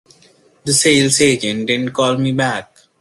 The sales agent didn't call me back.